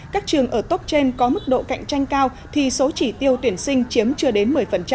các trường ở tốc trên có mức độ cạnh tranh cao thì số chỉ tiêu tuyển sinh chiếm chưa đến một mươi